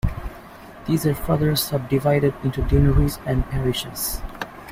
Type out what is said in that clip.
These are further subdivided into deaneries and parishes.